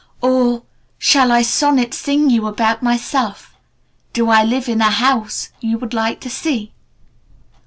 "or 'Shall I sonnet sing you about myself? Do I live in a house you would like to see?'